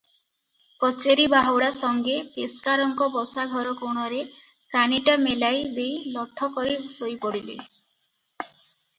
କଚେରି ବାହୁଡ଼ା ସଙ୍ଗେ ପେସ୍କାରଙ୍କ ବସାଘର କୋଣରେ କାନିଟା ମେଲାଇ ଦେଇ ଲଠ କରି ଶୋଇ ପଡିଲେ ।